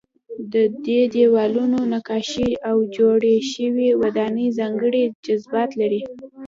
د دې دیوالونو نقاشۍ او جوړې شوې ودانۍ ځانګړی جذابیت لري.